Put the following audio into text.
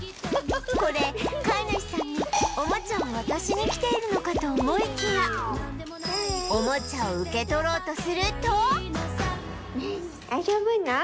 これ飼い主さんにおもちゃを渡しに来ているのかと思いきやおもちゃを受け取ろうとすると